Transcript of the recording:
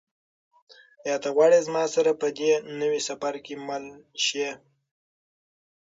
آیا ته غواړې چې زما سره په دې نوي سفر کې مل شې؟